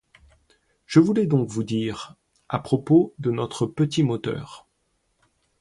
Je voulais donc vous dire, à propos de notre petit moteur.